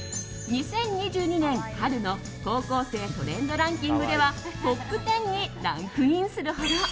２０２２年春の高校生トレンドランキングではトップ１０にランクインするほど。